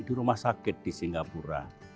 di rumah sakit di singapura